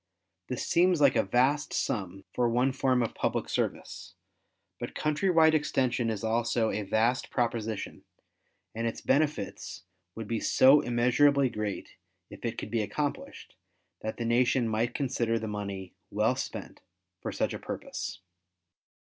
This seems like a vast sum for one form of public service, but country wide extension is also a vast proposition and its benefits would be so immeasurably great if it could be accomplished, that the nation might consider the money well spent for such a purpose.